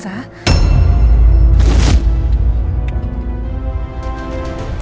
si allah tuh premen